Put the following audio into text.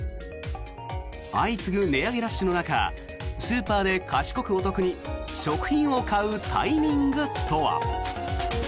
相次ぐ値上げラッシュの中スーパーで賢くお得に食品を買うタイミングとは。